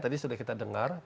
tadi sudah kita dengar